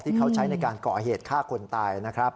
ที่เขาใช้ในการก่อเหตุฆ่าคนตายนะครับ